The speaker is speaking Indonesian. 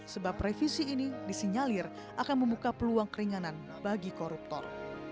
sebab revisi ini disinyalir akan membuka peluang keringanan bagi koruptor